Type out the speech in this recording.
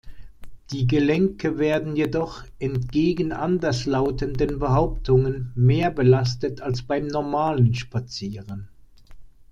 Die Gelenke werden jedoch, entgegen anders lautenden Behauptungen, mehr belastet als beim normalen Spazieren.